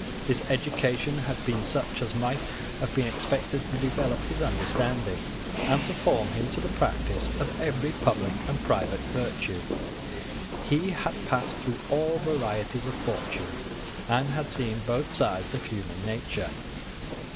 His education had been such as might have been expected to develope his understanding, and to form him to the practice of every public and private virtue. He had passed through all varieties of fortune, and had seen both sides of human nature.